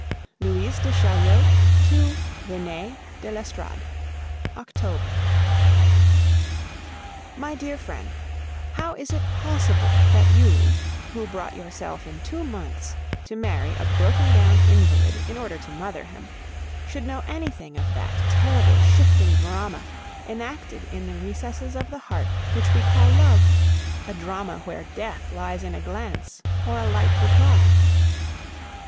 LOUISE DE CHAULIEU TO RENEE DE L'ESTORADE October. My dear friend, How is it possible that you, who brought yourself in two months to marry a broken down invalid in order to mother him, should know anything of that terrible shifting drama, enacted in the recesses of the heart, which we call love a drama where death lies in a glance or a light reply?